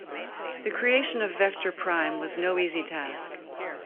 The creation of Vector Prime was no easy task.